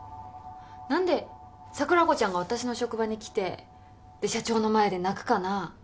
何で桜子ちゃんが私の職場に来てで社長の前で泣くかな。